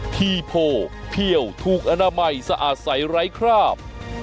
ทีโพเพี่ยวถูกอนามัยสะอาดใสไร้คราบ